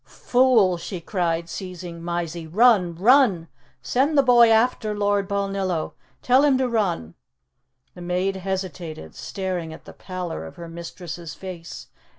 "Fool!" she cried, seizing Mysie, "run run! Send the boy after Lord Balnillo. Tell him to run!" The maid hesitated, staring at the pallor of her mistress's face.